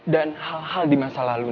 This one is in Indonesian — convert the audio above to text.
dan hal hal di masa lalu din